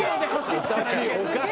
おかしい。